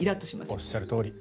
おっしゃるとおり。